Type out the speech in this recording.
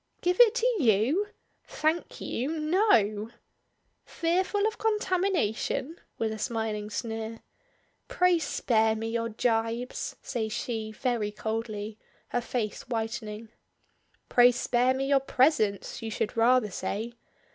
"Give it to you! Thank you. No." "Fearful of contamination?" with a smiling sneer. "Pray spare me your jibes," says she very coldly, her face whitening. "Pray spare me your presence, you should rather say.